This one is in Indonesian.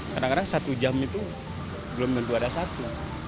kadang kadang satu jam itu belum tentu ada satu